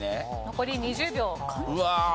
残り２０秒。